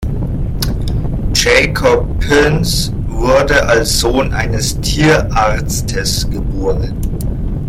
Jacob Pins wurde als Sohn eines Tierarztes geboren.